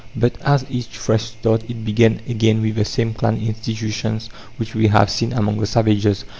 But at each fresh start it began again with the same clan institutions which we have seen among the savages.